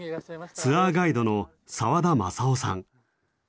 ツアーガイドの沢田正雄さん。